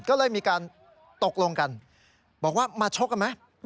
ก็เลยมีการตกลงกันบอกว่ามาชกกันไหม